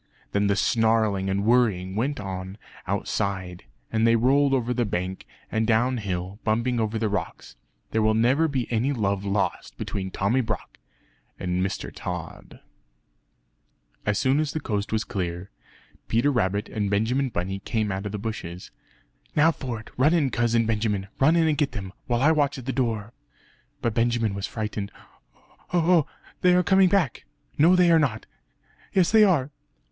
Then the snarling and worrying went on outside; and they rolled over the bank, and down hill, bumping over the rocks. There will never be any love lost between Tommy Brock and Mr. Tod. As soon as the coast was clear, Peter Rabbit and Benjamin Bunny came out of the bushes "Now for it! Run in, Cousin Benjamin! Run in and get them! while I watch at the door." But Benjamin was frightened "Oh; oh! they are coming back!" "No they are not." "Yes they are!"